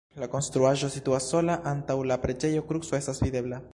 La konstruaĵo situas sola, antaŭ la preĝejo kruco estas videbla.